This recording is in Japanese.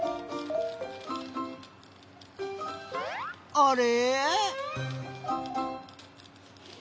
あれ？